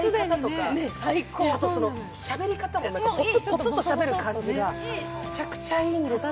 しゃべりかたもぽつんとしゃべる感じがめちゃくちゃいいんですよ。